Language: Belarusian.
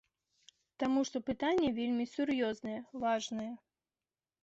Таму што пытанне вельмі сур'ёзнае, важнае.